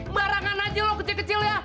barangan aja lo kecil kecil ya